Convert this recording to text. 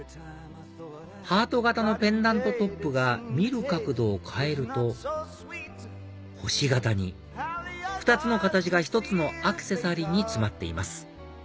ハート形のペンダントトップが見る角度を変えると星形に２つの形が１つのアクセサリーに詰まっています